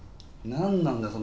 何なんだよ